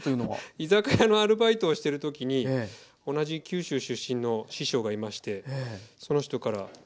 居酒屋のアルバイトをしてるときに同じ九州出身の師匠がいましてその人から全部教えてもらいました。